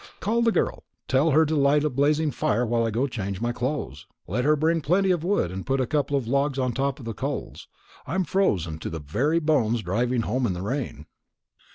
Call the girl, and tell her to light a blazing fire while I go and change my clothes. Let her bring plenty of wood, and put a couple of logs on top of the coals. I'm frozen to the very bones driving home in the rain."